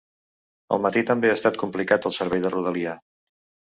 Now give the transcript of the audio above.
El matí també ha estat complicat al servei de rodalia.